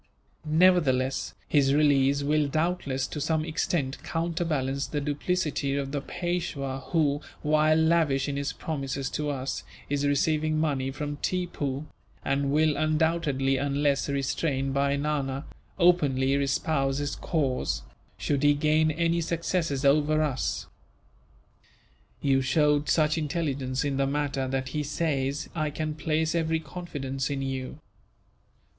Nevertheless, his release will doubtless, to some extent, counterbalance the duplicity of the Peishwa who, while lavish in his promises to us, is receiving money from Tippoo; and will undoubtedly, unless restrained by Nana, openly espouse his cause, should he gain any successes over us. You showed such intelligence in the matter that he says I can place every confidence in you.